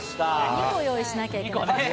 ２個用意しなきゃいけないですね。